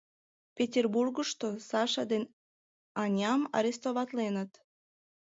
Петербургышто Саша ден Аням арестоватленыт.